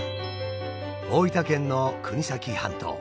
大分県の国東半島。